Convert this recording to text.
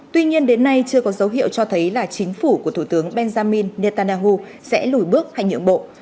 tuy nhiên đến nay chưa có dấu hiệu cho thấy là chính phủ của thủ tướng benjamin netanyahu sẽ lùi bước hay nhượng bộ